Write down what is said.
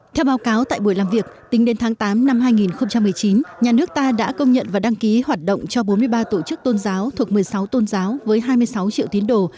theo báo cáo tại buổi làm việc tính đến tháng tám năm hai nghìn một mươi chín nhà nước ta đã công nhận và đăng ký hoạt động cho bốn mươi ba tổ chức tôn giáo thuộc một mươi sáu tôn giáo với hai mươi sáu triệu tín đồ